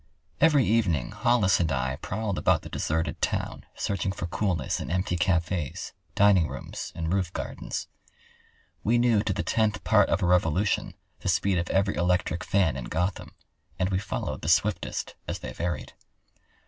Every evening Hollis and I prowled about the deserted town searching for coolness in empty cafes, dining rooms, and roofgardens. We knew to the tenth part of a revolution the speed of every electric fan in Gotham, and we followed the swiftest as they varied.